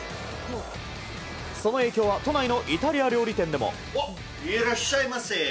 その影響は都内のイタリア料理店でも。